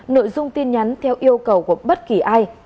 nội dung tin nhắn theo yêu cầu của bất kỳ ai